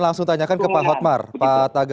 ke rumah ke keunggulan